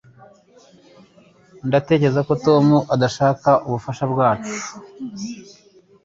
Ndatekereza ko Tom adashaka ubufasha bwacu